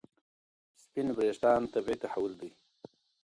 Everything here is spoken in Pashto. سپین وریښتان طبیعي تحول دی.